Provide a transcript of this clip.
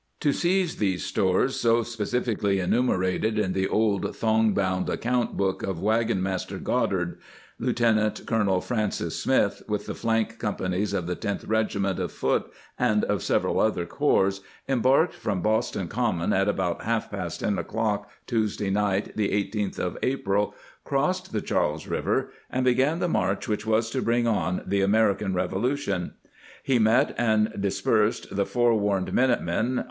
* To seize these stores, so specifically enumerated in the old thong bound account book of wagon master Goddard, Lieutenant Colonel Francis Smith,* with the flank companies ,of the Tenth Regiment of foot and of several other corps, em barked from Boston Common at about half past ten o'clock Tuesday night, the 18th of April,^ crossed the Charles River, and began the march 1 Journals Provincial Congress of Massacliusetts, p. 505 i?/ seq.